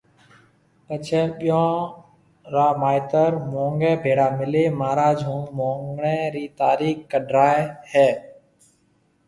پڇيَ ٻيون را مائيتر مونگيَ ڀيڙا ملي مھاراج ھون مونگڻيَ رِي تاريخ ڪڍرائيَ ھيَََ